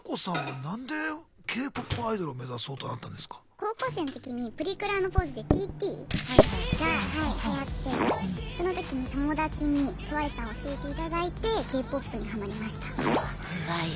高校生の時にプリクラのポーズで「ＴＴ」？がはいはやってその時に友達にＴＷＩＣＥさん教えていただいてＫ−ＰＯＰにハマりました。